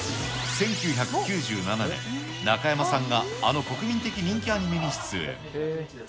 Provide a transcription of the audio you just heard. １９９７年、中山さんがあの国民的人気アニメに出演。